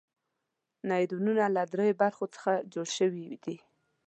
نیورونونه له دریو برخو څخه جوړ شوي دي.